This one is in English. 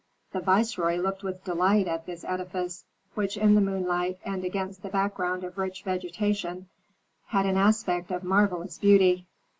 The viceroy looked with delight at this edifice, which in the moonlight and against the background of rich vegetation had an aspect of marvellous beauty.